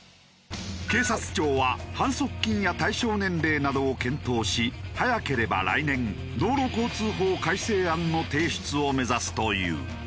警察庁は反則金や対象年齢などを検討し早ければ来年道路交通法改正案の提出を目指すという。